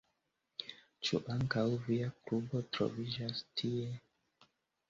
Ĉu ankaŭ via klubo troviĝas tie?